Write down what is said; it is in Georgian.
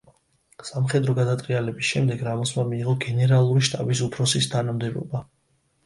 სამხედრო გადატრიალების შემდეგ რამოსმა მიიღო გენერალური შტაბის უფროსის თანამდებობა.